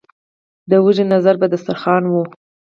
ـ د وږي نظر په دستر خوان وي.